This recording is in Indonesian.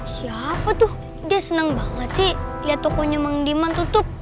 siapa tuh dia senang banget sih lihat tokonya mang diman tutup